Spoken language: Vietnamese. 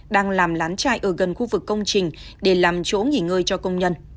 đang làm lán chạy ở gần khu vực công trình để làm chỗ nghỉ ngơi cho công nhân